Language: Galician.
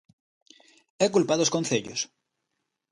¿A culpa é dos concellos?